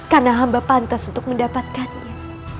karena amba pantas untuk mendapatkannya